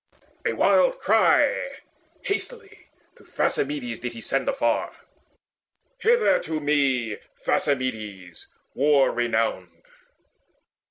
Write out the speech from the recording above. A wild cry hastily To Thrasymedes did he send afar: "Hither to me, Thrasymedes war renowned!